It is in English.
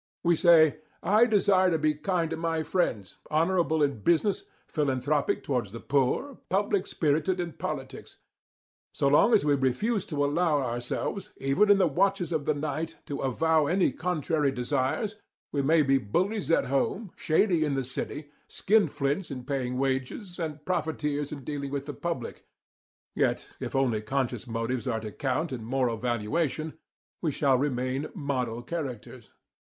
We say: "I desire to be kind to my friends, honourable in business, philanthropic towards the poor, public spirited in politics." So long as we refuse to allow ourselves, even in the watches of the night, to avow any contrary desires, we may be bullies at home, shady in the City, skinflints in paying wages and profiteers in dealing with the public; yet, if only conscious motives are to count in moral valuation, we shall remain model characters.